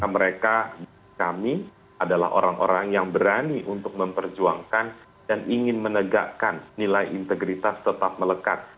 mereka kami adalah orang orang yang berani untuk memperjuangkan dan ingin menegakkan nilai integritas tetap melekat